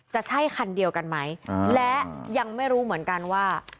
จะใช่คันเดียวกันไหมและยังไม่รู้เหมือนกันว่า